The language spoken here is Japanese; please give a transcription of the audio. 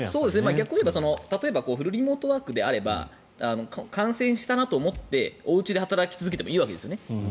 逆を言えば例えばフルリモートワークであれば感染したなと思っておうちで働き続けてもいいわけですよね。